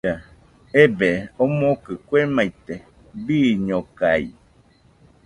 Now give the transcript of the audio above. Ebee, omokɨ kue maite, bɨñokaɨɨɨ